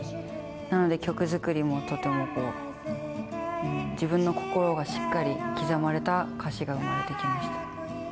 なので、曲作りもとてもこう、自分の心がしっかり刻まれた歌詞が生まれてきました。